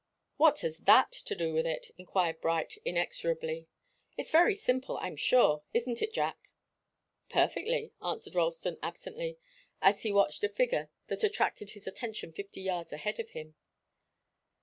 "What has that to do with it?" enquired Bright, inexorably. "It's very simple, I'm sure. Isn't it, Jack?" "Perfectly," answered Ralston, absently, as he watched a figure that attracted his attention fifty yards ahead of him.